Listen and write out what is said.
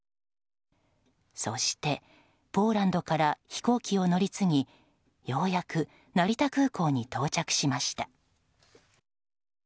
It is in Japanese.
そして、ポーランドから飛行機を乗り継ぎようやく成田空港に到着しました。